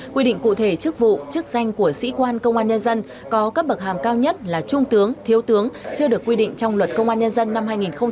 quy định cụ thể chức vụ chức danh của sĩ quan công an nhân dân có cấp bậc hàm cao nhất là trung tướng thiếu tướng chưa được quy định trong luật công an nhân dân năm hai nghìn một mươi ba